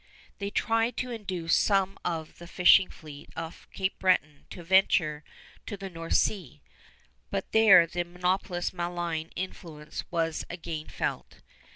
They tried to induce some of the fishing fleet off Cape Breton to venture to the North Sea; but there the monopolists' malign influence was again felt.